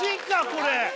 これ。